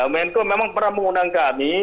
menko memang pernah mengundang kami